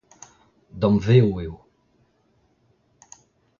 Damvezv eo.